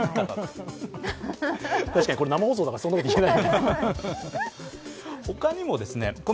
確かにこれ、生放送だからそんなこと言えない。